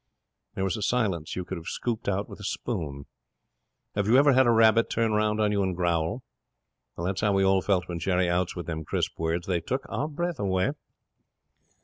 'There was a silence you could have scooped out with a spoon. Have you ever had a rabbit turn round on you and growl? That's how we all felt when Jerry outs with them crisp words. They took our breath away.